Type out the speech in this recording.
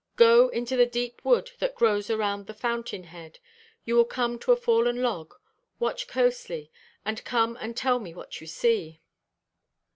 Go into the deep wood that grows around the fountain head. You will come to a fallen log. Watch closely; and come and tell me what you see."